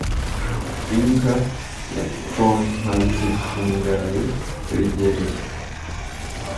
Imbwa yatonkazitungaye twegereye